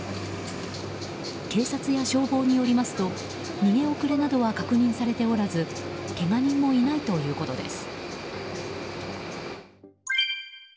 警察や消防によりますと逃げ遅れなどは確認されておらずけが人もいないということです。